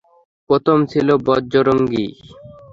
প্রথম ছিল বজরঙ্গী।